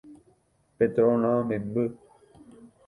Petrona memby.